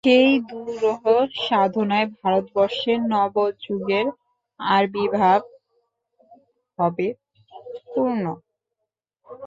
সেই দুরূহ সাধনায় ভারতবর্ষে নবযুগের আবির্ভাব হবে– পূর্ণ।